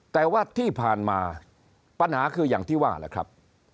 แต่ว่าที่ผ่านมาปัญหาคืออย่างที่ว่าแหละครับ